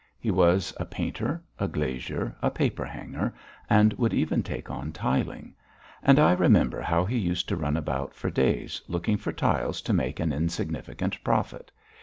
He was a painter, a glazier, a paper hanger, and would even take on tiling, and I remember how he used to run about for days looking for tiles to make an insignificant profit.